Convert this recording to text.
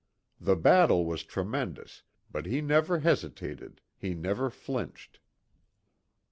The battle was tremendous, but he never hesitated, he never flinched.